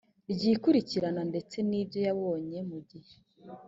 ry ikurikirana ndetse n ibyo yabonye mu gihe